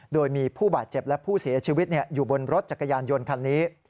โดยมีผู้บาดเจ็บและผู้เสียชีวิตอยู่บนรถจักรยานยนต์คันนี้